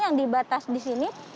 yang dibatasi disini